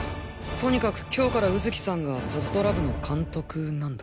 とにかく今日から卯月さんがパズドラ部の監督なんだ。